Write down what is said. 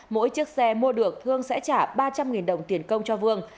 mỗi chiếc xe mua được thương sẽ trả ba trăm linh đồng tiền công cho vương